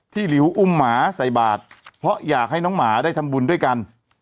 หลิวอุ้มหมาใส่บาทเพราะอยากให้น้องหมาได้ทำบุญด้วยกัน